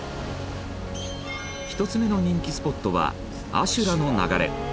１つ目の人気スポットは阿修羅の流れ。